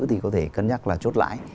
thì có thể cân nhắc là chốt lại